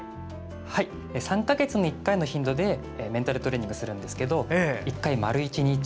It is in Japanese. ３か月に１回の頻度でメンタルトレーニングをするんですが１回、丸１日。